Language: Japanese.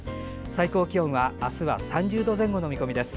最高気温はあすは３０度前後の見込みです。